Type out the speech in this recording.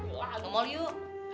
wah ngomel yuk